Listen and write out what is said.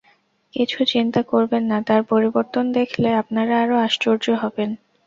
কিছু চিন্তা করবেন না, তাঁর পরিবর্তন দেখলে আপনারা আরো আশ্চর্য হবেন।